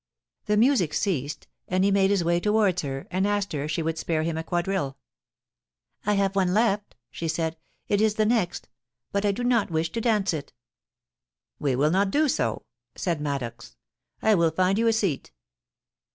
The music ceased, and he made his way towards her, and asked her if she could spare him a quadrille. * I have one left,' she said ;* it is the next, but I do not wish to dance it' * We will not do so,' said Maddox. * I will find you a seat.'